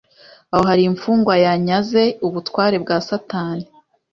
Aho hari imfungwa yanyaze ubutware bwa Satani;